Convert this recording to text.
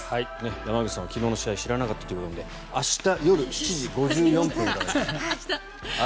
山口さんは昨日の試合知らなかったということなので明日、夜７時５４分からです。